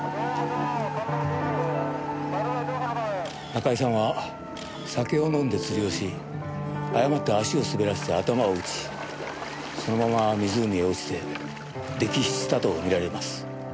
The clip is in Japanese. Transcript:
中井さんは酒を飲んで釣りをし誤って足を滑らせて頭を打ちそのまま湖へ落ちて溺死したと見られます。